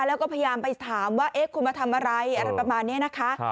แล้วก็พยายามไปถามว่าเอ๊ะคุณมาทำอะไรอะไรประมาณนี้นะคะ